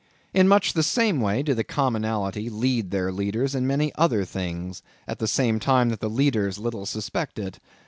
In much the same way do the commonalty lead their leaders in many other things, at the same time that the leaders little suspect it.